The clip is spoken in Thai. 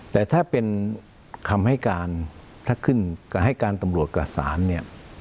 แต่ถ้าเป็นคำให้การถ้าขึ้นกับให้การตำรวจกับศาลเนี่ย